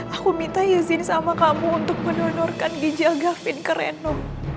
aku minta izin sama kamu untuk mendonorkan ginjal gavind ke reno